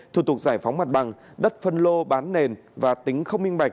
thủ tục giải phóng mặt bằng đất phân lô bán nền và tính không minh bạch